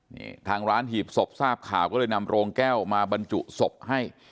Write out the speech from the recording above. นี่ทางร้านหีบศพทราบข่าวก็เลยนำโรงแก้วมาบรรจุศพให้